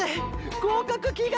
合格祈願！！